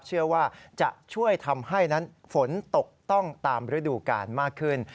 เชื่อว่าจะช่วยทำให้นั้นฝนตกต้องตามฤดูกาลมากขึ้น